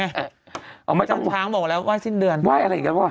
อ๋อไม่ต้องไหว้จันทร์ช้างบอกแล้วไหว้สิบเดือนไหว้อะไรอีกแล้วอ่ะ